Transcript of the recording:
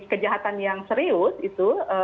kejahatan yang serius itu